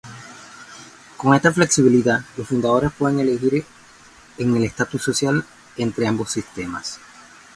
Con esta flexibilidad, los fundadores pueden elegir en el estatuto social entre ambos sistemas.